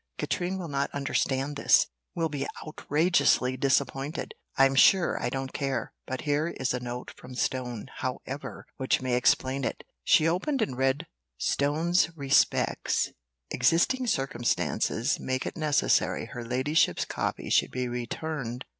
Katrine will not understand this will be outrageously disappointed. I'm sure I don't care. But here is a note from Stone, however, which may explain it." She opened and read "Stone's respects existing circumstances make it necessary her ladyship's copy should be returned.